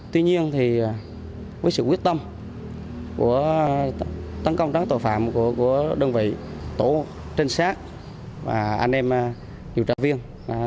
tuy nhiên thì với sự quyết tâm của tấn công trắng tội phạm của đơn vị tổ trinh sát và anh em điều tra viên